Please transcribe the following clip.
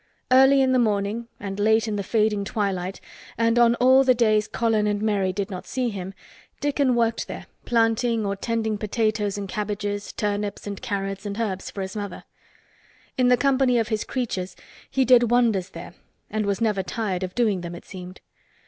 Early in the morning and late in the fading twilight and on all the days Colin and Mary did not see him, Dickon worked there planting or tending potatoes and cabbages, turnips and carrots and herbs for his mother. In the company of his "creatures" he did wonders there and was never tired of doing them, it seemed.